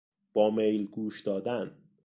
با میل گوش دادن